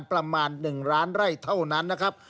เศรษฐกรสมัครเข้าร่วมโครงการประมาณ๑ล้านไร่เท่านั้นนะครับ